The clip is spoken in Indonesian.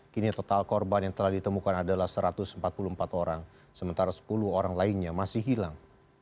kini total korban yang telah ditemukan adalah satu ratus empat puluh empat orang sementara sepuluh orang lainnya masih hilang